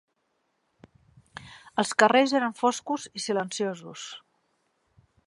Els carrers eren foscos i silenciosos